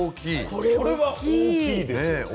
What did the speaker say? これは大きいですよね。